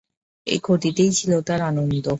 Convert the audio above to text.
এই ক্ষতিতেই ছিল তার আনন্দ।